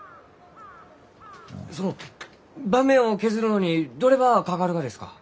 その盤面を削るのにどればあかかるがですか？